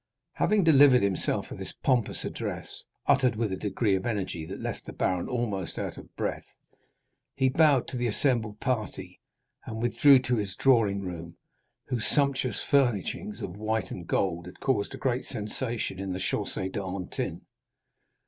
'" Having delivered himself of this pompous address, uttered with a degree of energy that left the baron almost out of breath, he bowed to the assembled party and withdrew to his drawing room, whose sumptuous furnishings of white and gold had caused a great sensation in the Chaussée d'Antin.